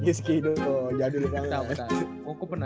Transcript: eh jauh banget ini